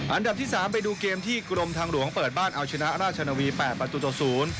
อันดับที่๓ไปดูเกมที่กรมทางหลวงเปิดบ้านอัลชนะอัลล่าชานาวี๘ประตูตรสูตร